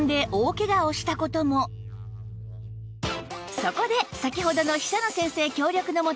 そこで先ほどの久野先生協力のもと